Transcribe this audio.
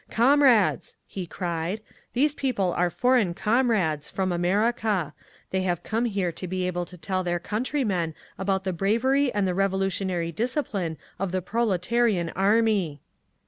"Comrades!" he cried. "These people are foreign comrades—from America. They have come here to be able to tell their countrymen about the bravery and the revolutionary discipline of the proletarian army!"